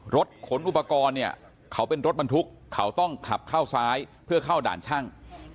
รถขนอุปกรณ์เนี่ยเขาเป็นรถบรรทุกเขาต้องขับเข้าซ้ายเพื่อเข้าด่านช่าง